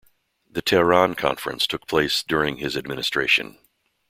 The Tehran Conference took place during his administration.